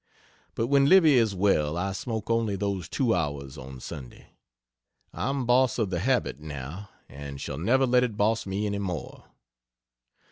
But when Livy is well I smoke only those two hours on Sunday. I'm "boss" of the habit, now, and shall never let it boss me any more.